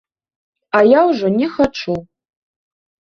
А я ўжо не хачу.